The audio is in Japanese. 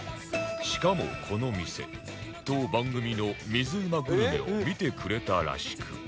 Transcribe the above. しかもこの店当番組の水うまグルメを見てくれたらしく